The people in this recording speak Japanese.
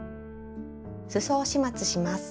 すそを始末します。